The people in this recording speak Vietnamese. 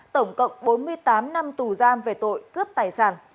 tổng cộng bốn mươi tám năm tù giam về tội cướp tài sản